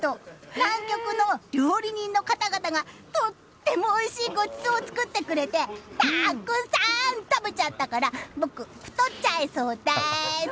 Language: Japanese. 南極の料理人の方々がとってもおいしいごちそうを作ってくれてたくさん食べちゃったから僕、太っちゃいそうです。